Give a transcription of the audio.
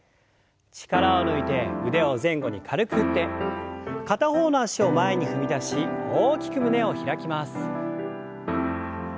力を抜いて腕を前後に軽く振って片方の脚を前に踏み出し大きく胸を開きます。